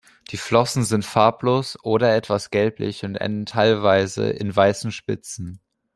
Die Flossen sind farblos oder etwas gelblich und enden teilweise in weißen Spitzen.